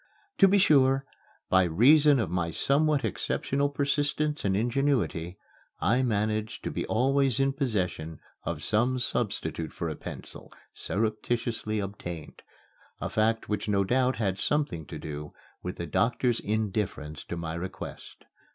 To be sure, by reason of my somewhat exceptional persistence and ingenuity, I managed to be always in possession of some substitute for a pencil, surreptitiously obtained, a fact which no doubt had something to do with the doctor's indifference to my request.